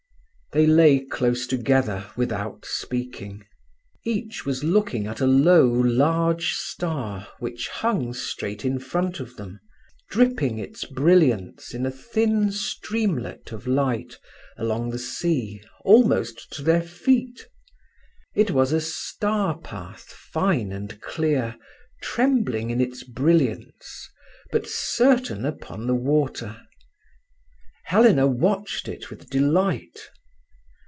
They lay close together without speaking. Each was looking at a low, large star which hung straight in front of them, dripping its brilliance in a thin streamlet of light along the sea almost to their feet. It was a star path fine and clear, trembling in its brilliance, but certain upon the water. Helena watched it with delight.